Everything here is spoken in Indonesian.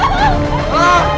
jepat ke kamar